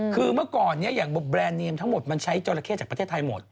คือเมื่อก่อนนี้อย่างแบรนดเนมทั้งหมดมันใช้จราเข้จากประเทศไทยหมด